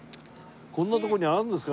こんなとこにあるんですか？